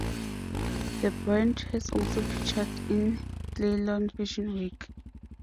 The brand has also featured in Ceylon Fashion Week.